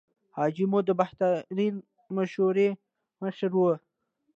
حاجي مو د بهترینې مشورې مشر و.